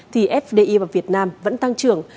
thì fdi vào việt nam vẫn tăng trưởng